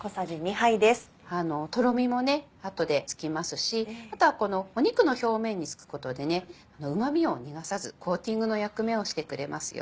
とろみも後でつきますしあとは肉の表面に付くことでうま味を逃がさずコーティングの役目をしてくれますよ。